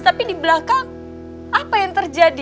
tapi di belakang apa yang terjadi